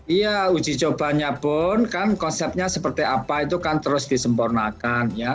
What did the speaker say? iya uji cobanya pun kan konsepnya seperti apa itu kan terus disempurnakan ya